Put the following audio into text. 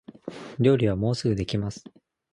料理はもうすぐできます